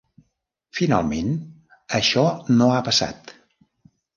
Finalment això no ha passat.